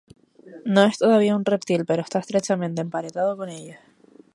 No es todavía un reptil, pero está estrechamente emparentado con ellos.